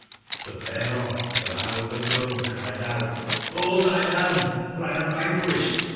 But thereon the man overthrown cried out: ''Hold thine hand, fori am vanquished